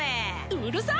うるさい！